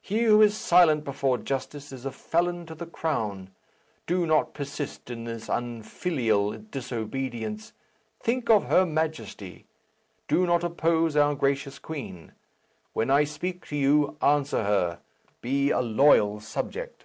He who is silent before justice is a felon to the crown. Do not persist in this unfilial disobedience. Think of her Majesty. Do not oppose our gracious queen. When I speak to you, answer her; be a loyal subject."